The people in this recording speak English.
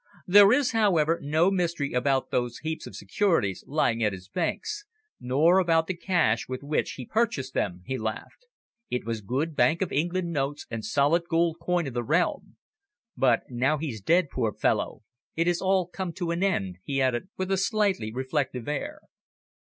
There is, however, no mystery about those heaps of securities lying at his banks, nor about the cash with which he purchased them," he laughed. "It was good Bank of England notes and solid gold coin of the realm. But now he's dead, poor fellow; it has all come to an end," he added with a slightly reflective air.